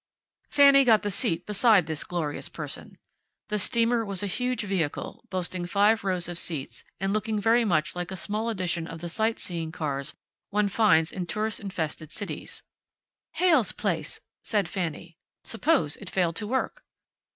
Fanny got the seat beside this glorious person. The steamer was a huge vehicle, boasting five rows of seats, and looking very much like a small edition of the sightseeing cars one finds in tourist infested cities. "Heyl's place," said Fanny. Suppose it failed to work!